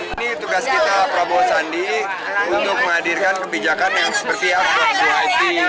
ini tugas kita prabowo sandi untuk menghadirkan kebijakan yang seperti apa vip